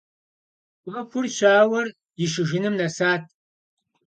Ӏуэхур щауэр ишыжыным нэсат.